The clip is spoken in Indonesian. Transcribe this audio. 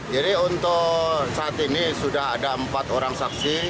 jadi untuk saat ini sudah ada empat orang saksi